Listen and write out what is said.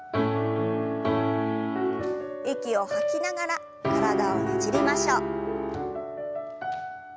息を吐きながら体をねじりましょう。